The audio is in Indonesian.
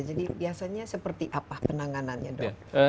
jadi biasanya seperti apa penanganannya dok